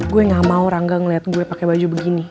gue gak mau rangga ngeliat gue pakai baju begini